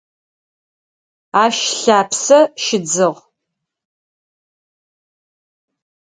Ащ лъапсэ щыдзыгъ.